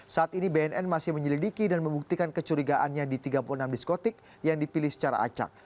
saat ini bnn masih menyelidiki dan membuktikan kecurigaannya di tiga puluh enam diskotik yang dipilih secara acak